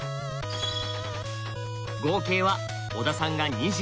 合計は小田さんが２０。